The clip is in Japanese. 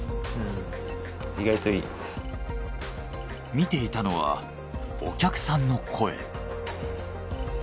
見ていたのはお客さんの声。